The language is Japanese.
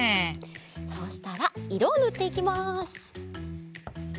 そうしたらいろをぬっていきます。